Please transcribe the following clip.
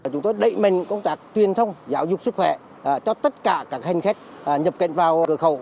chúng tôi đẩy mạnh công tác tuyên thông giáo dục sức khỏe cho tất cả các hành khách nhập cảnh vào cửa khẩu